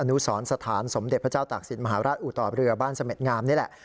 นุสรสถานสมเด็จพระเจ้าตากศิลปมหาราชอู่ต่อเรือบ้านเสม็ดงามนี่แหละ